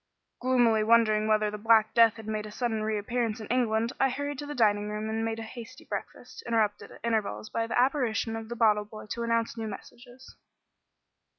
Gloomily wondering whether the Black Death had made a sudden reappearance in England, I hurried to the dining room and made a hasty breakfast, interrupted at intervals by the apparition of the bottle boy to announce new messages.